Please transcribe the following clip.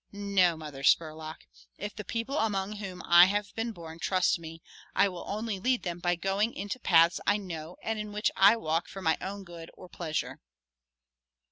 No, Mother Spurlock, if the people among whom I have been born trust me I will only lead them by going into paths I know and in which I walk for my own good or pleasure."